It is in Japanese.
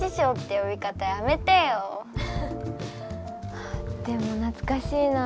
あでもなつかしいなあ。